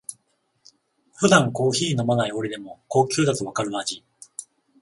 普段コーヒー飲まない俺でも高級だとわかる味